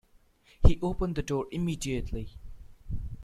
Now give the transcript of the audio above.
He opened the door immediately.